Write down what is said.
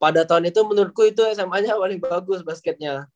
pada tahun itu menurutku itu sma nya paling bagus basketnya